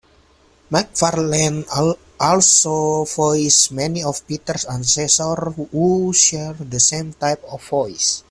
MacFarlane also voices many of Peter's ancestors who share the same type of voice.